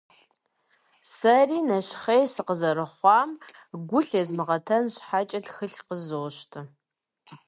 Сэри, нэщхъей сыкъызэрыхъуам гу лъезмыгъэтэн щхьэкӀэ, тхылъ къызощтэ.